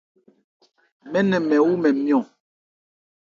Mɛ́n nɛ mɛn wú mɛn nmyɔ̂n.